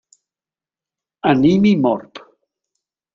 Animi Morb.